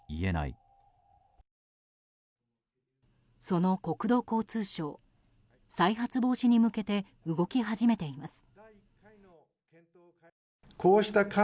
その国土交通省再発防止に向けて動き始めています。